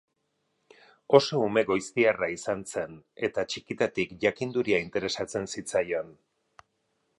Oso ume goiztiarra izan zen eta txikitatik jakinduria interesatzen zitzaion.